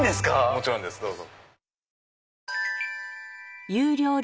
もちろんですどうぞ。